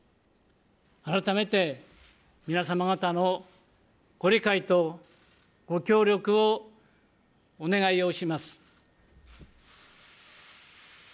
改めて皆様方のご理解とご協力をお願いをします。